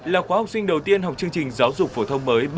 là khóa học sinh đầu tiên học chương trình giáo dục phổ thông mới